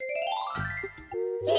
え！？